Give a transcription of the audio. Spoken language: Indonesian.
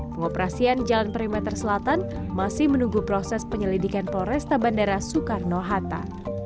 pengoperasian jalan perimeter selatan masih menunggu proses penyelidikan polresta bandara soekarno hatta